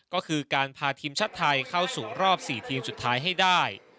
ก็คือการพาทีมชาติไทยเข้าสู่รอบ๔ทีมสุดท้ายให้ได้